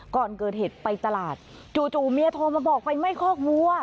ก่อนเกิดเหตุไปตลาดจู่เมียโทรมาบอกไปไม่คอกวัว